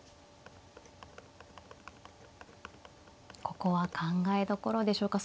ここは考えどころでしょうか。